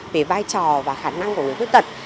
về vai trò và khả năng của người khuyết tật